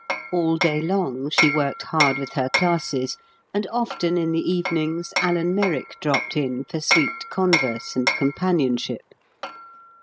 All day long she worked hard with her classes; and often in the evenings Alan Merrick dropped in for sweet converse and companionship.